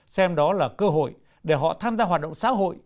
xem đó là cơ hội để họ tham gia hoạt động xã hội